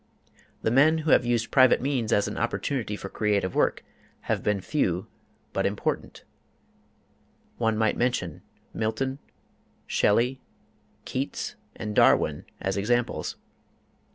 The men who have used private means as an opportunity for creative work have been few but important: one might mention Milton, Shelley, Keats and Darwin as examples.